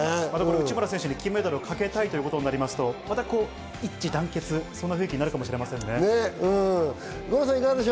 内村選手に金メダルかけたいということなりますと、また一致団結ということになるかもしれませんね。